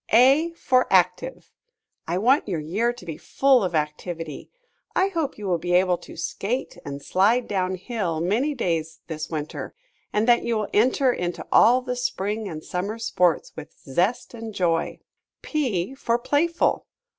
A for Active. I want your year to be full of activity. I hope you will be able to skate and slide down hill many days this winter, and that you will enter into all the spring and summer sports with zest and joy. P for Playful.